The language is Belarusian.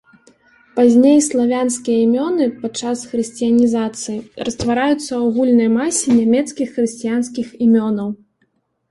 Пазней славянскія імёны, падчас хрысціянізацыі, раствараюцца ў агульнай масе нямецкіх хрысціянскіх імёнаў.